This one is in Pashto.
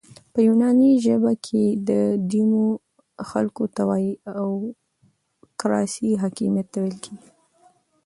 په یوناني ژبه کښي ديمو خلکو ته وایي او کراسي حاکمیت ته ویل کیږي.